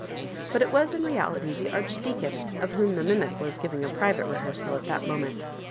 But it was in reality the Arch« deacon of whom the mimic was giving a private rehears^ at that moment.